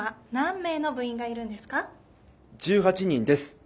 １８人です。